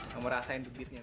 kamu rasain duitnya